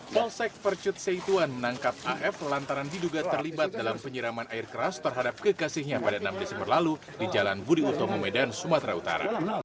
polsek percut seituan menangkap af lantaran diduga terlibat dalam penyiraman air keras terhadap kekasihnya pada enam desember lalu di jalan budi utomo medan sumatera utara